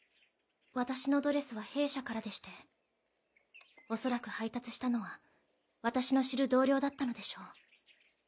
私のドレスは弊社からでして恐らく配達したのは私の知る同僚だったのでしょう。